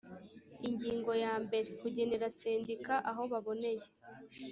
ingingo ya mbere kugenera sendika aho baboneye